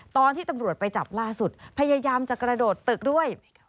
ตอนที่ตำรวจไปจับล่าสุดพยายามจะกระโดดตึกด้วย